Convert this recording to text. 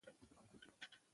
رېدی له زلیخا سره مینه لري.